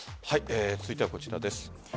続いてはこちらです。